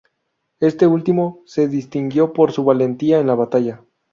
Este último se distinguió por su valentía en la batalla.